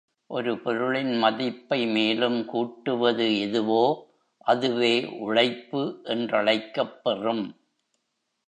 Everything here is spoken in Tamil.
ஒரு பொருளின் மதிப்பை மேலும் கூட்டுவது எதுவோ, அதுவே உழைப்பு என்றழைக்கப்பெறும்.